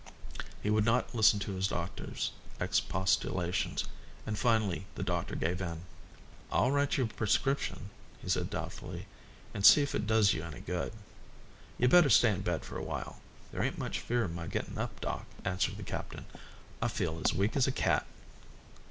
He would not listen to the doctor's expostulations, and finally the doctor gave in. "I'll write you a prescription," he said doubtfully, "and see if it does you any good. You'd better stay in bed for a while." "There ain't much fear of my getting up, doc," answered the captain. "I feel as weak as a cat."